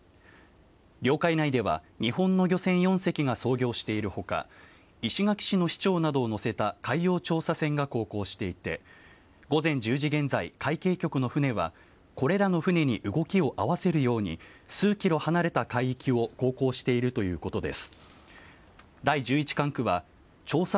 領海内では、日本の漁船４隻が操業しているほか、石垣市の市長などを乗せた海洋調査船が航行していて、午前１０時現在、海警局の船はこれらの船に動きを合わせるように、数キロ離れた海域を航行しているということです。